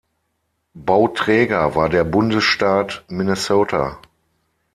Bauträger war der Bundesstaat Minnesota.